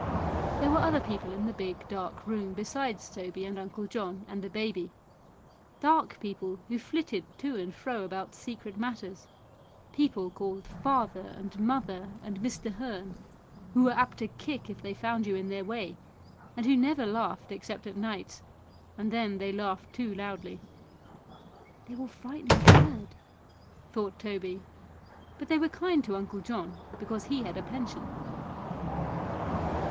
There were other people in the big, dark room besides Toby and Uncle John and the baby ; dark people who flitted to and fro about secret matters, people called father and mother and Mr. Hearn, who were apt to kick if they found you in their way, and who never laughed except at nights, and then they laughed too loudly. "They will frighten the bird," thought Toby; but they were kind to Uncle John because he had a pension.